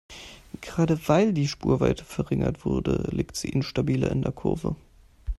Gerade weil die Spurweite verringert wurde, liegt sie instabiler in der Kurve.